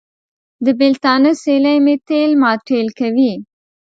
د بېلتانه سیلۍ مې تېل ماټېل کوي.